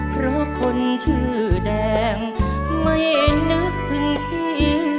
เพราะคนชื่อแดงไม่นึกถึงพี่